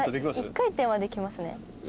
１回転はできますね。